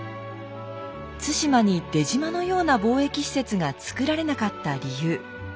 対馬に出島のような貿易施設がつくられなかった理由。